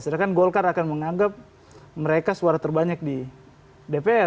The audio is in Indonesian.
sedangkan golkar akan menganggap mereka suara terbanyak di dpr